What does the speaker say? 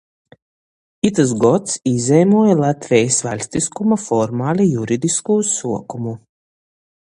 Itys gods īzeimuoja Latvejis vaļstiskuma formali juridiskū suokumu.